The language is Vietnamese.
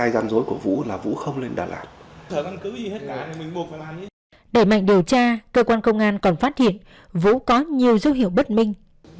đẩy mạnh điều tra cơ quan công an còn phát hiện vũ có nhiều dấu hiệu bất minh